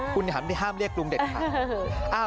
คุณหันที่ห้ามเรียกกรุงเด็ดค่ะ